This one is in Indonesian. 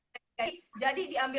nanti kalau lagi live pribadi aja